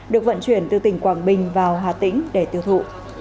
được vận chuyển từ tỉnh quảng bình vào hà tĩnh để tiêu thụ